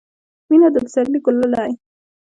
• مینه د پسرلي ګل دی.